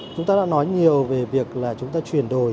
chúng ta đã nói nhiều về việc là chúng ta chuyển đổi